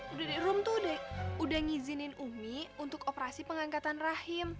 udah deh rum tuh udah ngizinin umi untuk operasi pengangkatan rahim